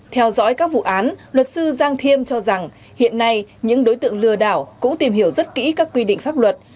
theo dõi các vụ án luật sư giang thiêm cho rằng hiện nay những đối tượng lừa đảo cũng tìm hiểu rất kỹ các quy định pháp luật